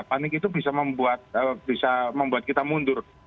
panik itu bisa membuat kita mundur